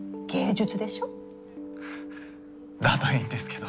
だといいんですけど。